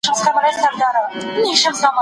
حکومت بايد د بې وزلو د ژوند کيفيت ښه کړي.